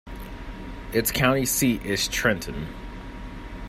Its county seat is Trenton.